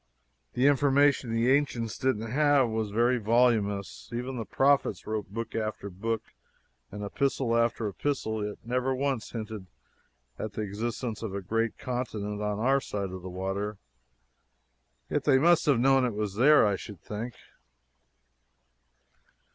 The information the ancients didn't have was very voluminous. Even the prophets wrote book after book and epistle after epistle, yet never once hinted at the existence of a great continent on our side of the water; yet they must have known it was there, I should think.